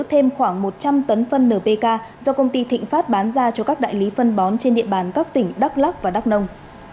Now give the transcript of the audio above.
thêm khoảng một trăm linh tấn phân npk do công ty thịnh phát bán ra cho các đại lý phân bón trên địa bàn các tỉnh đắk lắc và đắk nông